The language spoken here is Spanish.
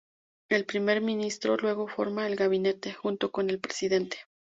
El primer ministro luego forma el gabinete, junto con el presidente.